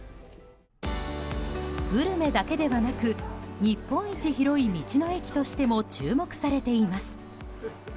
グルメだけではなく日本一広い道の駅としても注目されています。